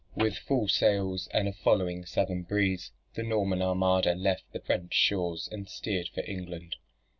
With full sails, and a following southern breeze, the Norman armada left the French shores and steered for England.